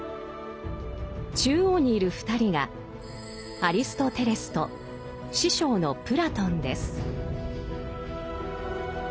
中央にいる２人がアリストテレスと師匠のプラトンです。